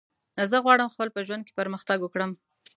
زه غواړم خپل په ژوند کی پرمختګ وکړم